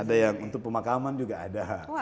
ada yang untuk pemakaman juga ada